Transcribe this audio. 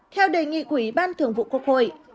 theo đề nghị quý ban thường vụ quốc hội